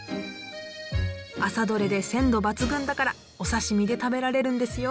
朝取れで鮮度抜群だからお刺身で食べられるんですよ。